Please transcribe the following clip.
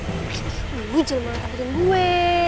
ini bujel malah kagetin gue